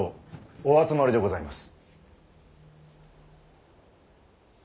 お集まりでございます。